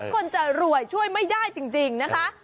คนจะรวยช่วยไม่ได้จริงนะคะ